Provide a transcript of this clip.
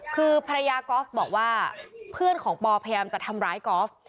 คือภรรยากอล์ฟบอกว่าเพื่อนของปอพยายามจะทำร้ายกอล์ฟ